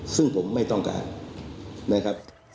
ซึ่งผมไม่ต้องการนะครับ